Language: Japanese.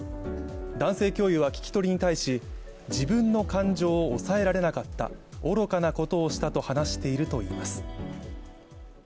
男性教諭は聞き取りに対し自分の感情を抑えられなかった愚かなことをしたと話しているといいます。